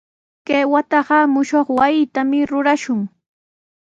Kay wataqa mushuq wasitami rurashun.